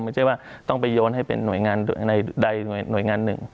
ไม่ใช่ว่าต้องไปโยนให้เป็นหน่วยงานใดหน่วยงานหนึ่ง